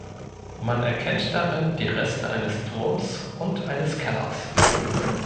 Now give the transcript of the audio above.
Man erkennt darin die Reste eines Turms und eines Kellers.